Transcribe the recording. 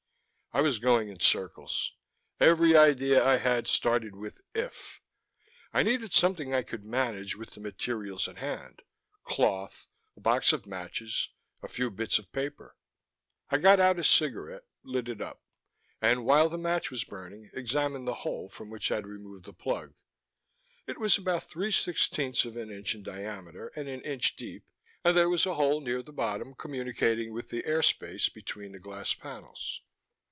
I was going in circles. Every idea I had started with 'if'. I needed something I could manage with the materials at hand: cloth, a box of matches, a few bits of paper. I got out a cigarette, lit up, and while the match was burning examined the hole from which I'd removed the plug. It was about three sixteenths of an inch in diameter and an inch deep, and there was a hole near the bottom communicating with the air space between the glass panels.